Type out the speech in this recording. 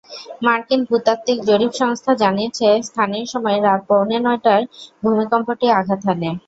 মার্কিন ভূতাত্ত্বিক জরিপ সংস্থা জানিয়েছে, স্থানীয় সময় রাত পৌনে নয়টায় ভূমিকম্পটি আঘাত হানে।